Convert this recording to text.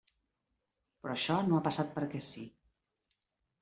Però això no ha passat perquè sí.